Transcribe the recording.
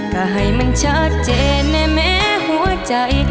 ก็ให้มันชัดเจนในแม้หัวใจ